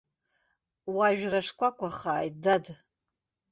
Уажәра шкәакәахааит, дад!